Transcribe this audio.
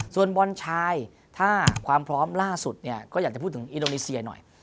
ส่วนบอลชายถ้าความพร้อมล่าสุดเนี่ยก็อยากจะพูดถึงอินโดนีเซียหน่อย